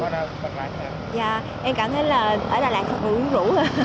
dạ em cảm thấy là ở đà lạt thật ưu rũ